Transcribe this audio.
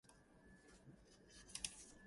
Rowland Heights is located in Los Angeles County.